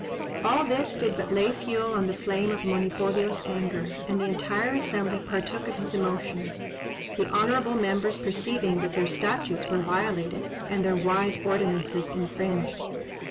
All this did but lay fuel on the flame of Monipodio's anger, and the entire assembly partook of his emotions; the honourable members perceiving that their statutes were violated, and their wise ordinances infringed.